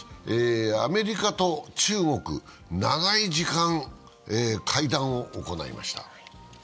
アメリカと中国、長い時間会談を行いました。